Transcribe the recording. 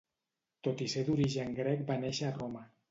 Tot i ser d'origen grec va néixer a Roma.